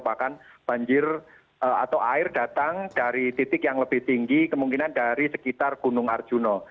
bahkan banjir atau air datang dari titik yang lebih tinggi kemungkinan dari sekitar gunung arjuna